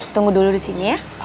tunggu dulu disini ya